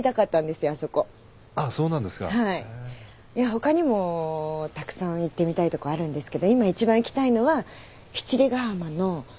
他にもたくさん行ってみたいとこあるんですけど今一番行きたいのは七里ガ浜のシーラスっていうお店。